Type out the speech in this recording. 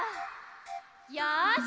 よし！